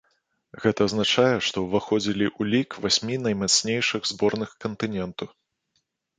Гэта азначае, што ўваходзілі ў лік васьмі наймацнейшых зборных кантыненту.